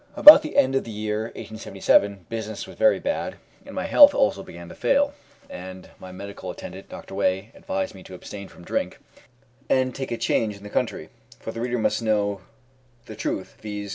About the end of the year 1877 business was very bad, and my health also began to fail, and my medical attendant, Dr. Way, advised me to abstain from drink, and take a change in the country; for the reader must know the truth viz.